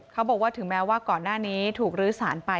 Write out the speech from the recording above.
เขาบอกว่าถึงแม้ว่าก่อนหน้านี้ถูกลื้อสารไป